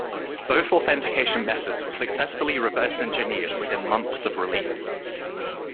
Both authentication methods were successfully reverse engineered within months of release.